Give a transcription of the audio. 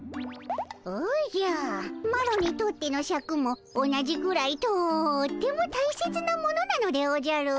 おじゃあマロにとってのシャクも同じぐらいとっても大切なものなのでおじゃる。